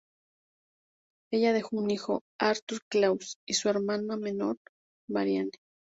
Ella dejó un hijo, Arthur Claus, y su hermana menor, Marianne.